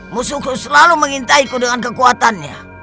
musuhku selalu mengintai ku dengan kekuatan